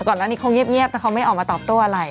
ก่อนหน้านี้คงเงียบแต่เขาไม่ออกมาตอบโต้อะไร